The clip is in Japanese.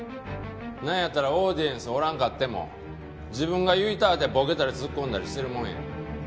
なんやったらオーディエンスおらんかっても自分が言いたうてボケたりツッコんだりしてるもんや。